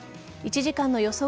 １時間の予想